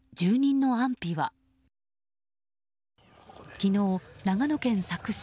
昨日、長野県佐久市。